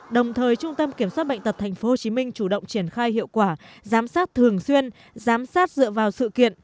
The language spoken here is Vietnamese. đồng thời trung tâm kiểm soát bệnh tật tp hcm chủ động triển khai hiệu quả giám sát thường xuyên giám sát dựa vào sự kiện